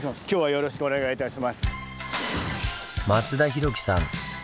今日はよろしくお願いいたします。